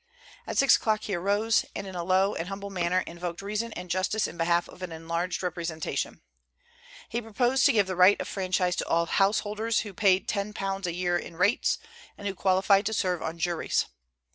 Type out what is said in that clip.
At six o'clock he arose, and in a low and humble manner invoked reason and justice in behalf of an enlarged representation. He proposed to give the right of franchise to all householders who paid £10 a year in rates, and who qualified to serve on juries.